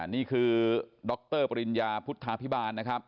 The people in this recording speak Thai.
นี่คือดรปริญญาพุทธภิบาล